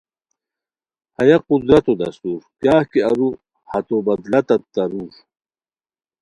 ہیہ قدرتو دستور کیاغ کی ارو ہتو بدلہ تت تارور